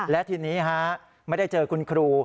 และทีนี้ไม่ได้เจอคุณครู